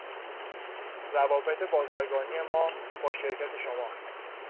روابط بازرگانی ما با شرکت شما